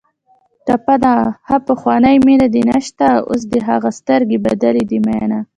ټپه ده: ها پخوانۍ مینه دې نشته اوس دې هغه سترګې بدلې دي مینه